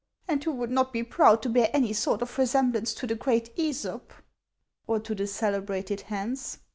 And who would not be proud to bear any sort of resemblance to the great ^Esop ?"" Or to the celebrated Hans